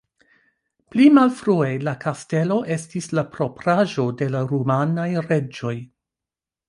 Pli malfrue la kastelo estis la propraĵo de la rumanaj reĝoj.